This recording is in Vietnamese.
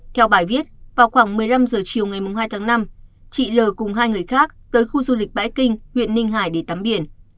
theo bài viết vào khoảng một mươi năm h chiều ngày hai tháng năm chị l cùng hai người khác tới khu du lịch bãi kinh huyện ninh hải để tắm biển